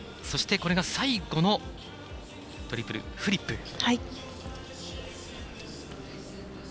そして、これが最後のトリプルフリップ。